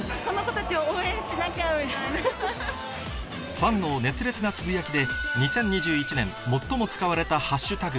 ファンの熱烈なつぶやきで「２０２１年もっとも使われたハッシュタグ」